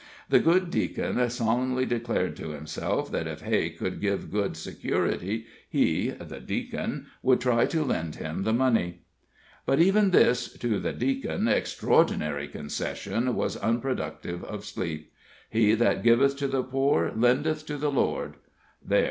The good Deacon solemnly declared to himself that if Hay could give good security, he (the Deacon) would try to lend him the money. But even this (to the Deacon) extraordinary concession was unproductive of sleep. "He that giveth to the poor lendeth to the Lord." There!